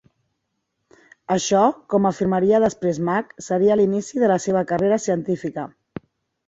Això, com afirmaria després Mak, seria l'inici de la seva carrera científica.